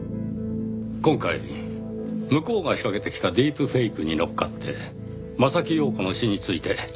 今回向こうが仕掛けてきたディープフェイクにのっかって柾庸子の死について調査しているところです。